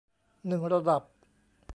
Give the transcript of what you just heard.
หนึ่ง ระดับ